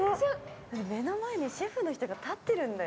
目の前にシェフの人が立ってるんだよ。